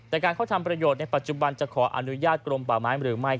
แต่การเข้าทำประโยชน์ในปัจจุบันจะขออนุญาตกรมป่าไม้หรือไม่